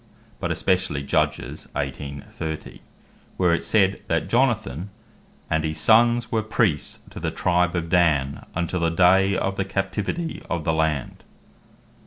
but especially Judg. 18. 30. where it is said, that Jonathan "and his sonnes were Priests to the Tribe of Dan, untill the day of the captivity of the land."